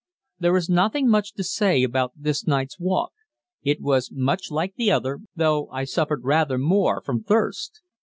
There is nothing much to say about this night's walk it was much like the other, though I suffered rather more from thirst.